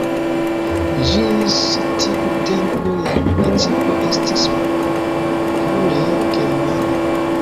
Ĝis tiu tempo la municipo estis pure germana.